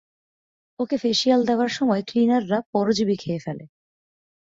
ওকে facial দেওয়ার সময় ক্লিনাররা পরজীবী খেয়ে ফেলে।